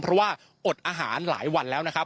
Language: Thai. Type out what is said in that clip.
เพราะว่าอดอาหารหลายวันแล้วนะครับ